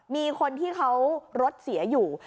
มีคนที่เขารถเสียอยู่